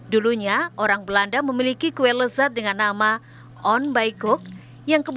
dulunya orang belanda memiliki kue lezat dengan nama on by cook